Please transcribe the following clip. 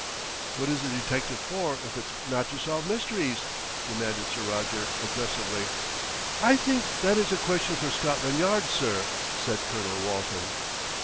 "What is the detective for if it's not to solve mysteries?" demanded Sir Roger aggressively. "I think that is a question for Scotland Yard, sir," said Colonel Walton.